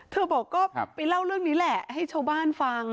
บอกก็ไปเล่าเรื่องนี้แหละให้ชาวบ้านฟัง